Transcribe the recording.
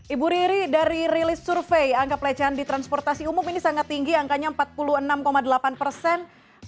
ibu riri dari rilis survei angka pelecehan di transportasi umum ini sangat tinggi angkanya empat puluh enam delapan persen